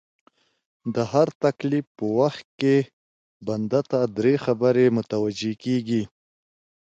د هر تکليف په وخت کي بنده ته دری خبري متوجې کيږي